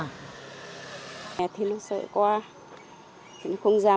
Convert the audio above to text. còn bây giờ thì sao ạ